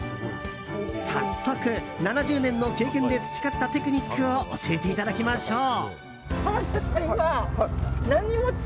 早速、７０年の経験で培ったテクニックを教えていただきましょう。